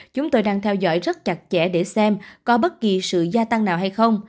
chúng tôi đang theo dõi rất chặt chẽ để xem có bất kỳ sự gia tăng nào hay không